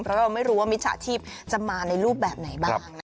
เพราะว่าไม่รู้ว่ามิชาธิบจะมาในรูปแบบไหนบ้างนะครับ